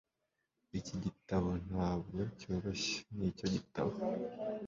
Iki gitabo ntabwo cyoroshye nkicyo gitabo